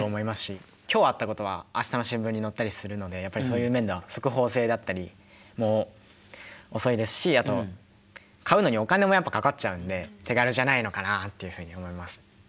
今日あったことは明日の新聞に載ったりするのでやっぱりそういう面では速報性だったりも遅いですしあと買うのにお金もやっぱかかっちゃうんで手軽じゃないのかなっていうふうに思います。